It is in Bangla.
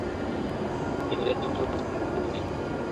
এই নৈরাজ্য চলছেই, দেখার কেউ নেই।